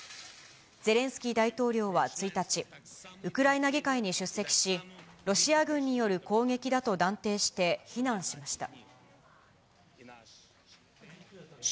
ゼレンスキー大統領は１日、ウクライナ議会に出席し、ロシア軍による攻撃だと断定して、非難しました。